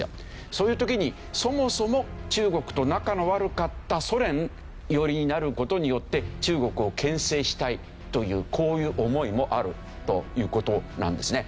そういう時にそもそも中国と仲の悪かったソ連寄りになる事によって中国を牽制したいというこういう思いもあるという事なんですね。